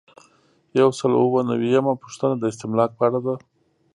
یو سل او اووه نوي یمه پوښتنه د استملاک په اړه ده.